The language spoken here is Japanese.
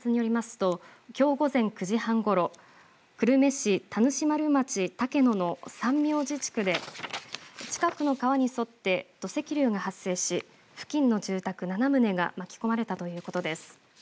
ときょう午前９時半ごろ久留米市田主丸町竹野の三明寺地区で近くの川に沿って土石流が発生し付近の住宅７棟が巻き込まれたということです。